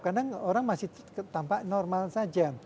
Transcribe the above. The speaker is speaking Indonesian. kadang orang masih tampak normal saja